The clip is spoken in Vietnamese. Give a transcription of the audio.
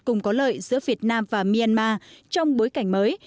cùng có lợi giữa việt nam và myanmar trong bối cảnh mới